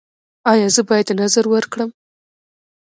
ایا زه باید نذر ورکړم؟